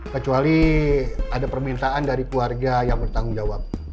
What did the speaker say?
kecuali ada permintaan dari keluarga yang bertanggung jawab